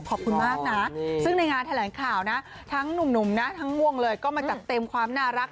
ขอบคุณมากนะซึ่งในงานแถลงข่าวนะทั้งหนุ่มนะทั้งง่วงเลยก็มาจัดเต็มความน่ารัก